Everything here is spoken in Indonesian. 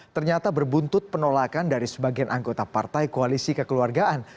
ternyata berbuntut penolakan dari sebagian anggota partai koalisi kekeluargaan